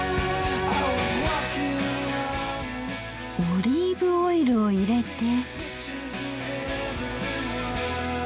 オリーブオイルを入れて。